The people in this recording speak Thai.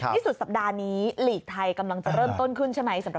ที่สุดสัปดาห์นี้หลีกไทยกำลังจะเริ่มต้นขึ้นใช่ไหมสำหรับ